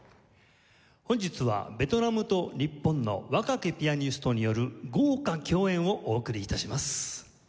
本日はベトナムと日本の若きピアニストによる豪華共演をお送り致します。